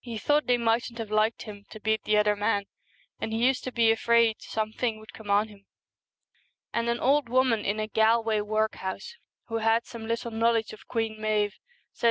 He thought they mightn't have liked him to beat the other man, and he used to be afraid something would come on him.' And an old woman 190 in a Galway workhouse, who had some The Queen and little knowledge of Queen Maive, said the Fool.